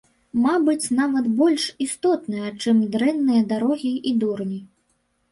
Мабыць, нават больш істотная, чым дрэнныя дарогі і дурні.